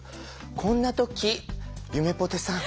こんな時ゆめぽてさん